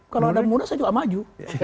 kalau ada muda saya juga maju